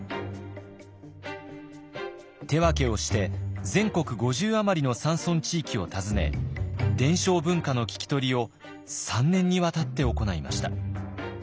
手分けをして全国５０余りの山村地域を訪ね伝承文化の聞き取りを３年にわたって行いました。